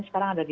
sekarang ada di